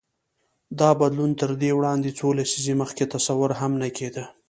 دا بدلون تر دې وړاندې څو لسیزې مخکې تصور هم نه کېده.